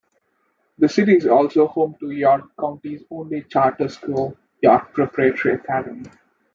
The city is also home to York County's only Charter school, York Preparatory Academy.